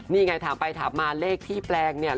นี่ไงถามไปถามมาเลขที่แปลงเนี่ย